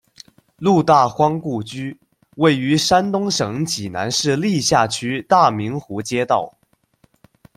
路大荒故居，位于山东省济南市历下区大明湖街道。